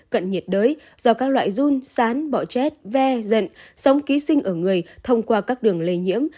cận nhiệt đới do các loại dun sán bọ chét ve dận sống ký sinh ở người thông qua các đường lây nhiễm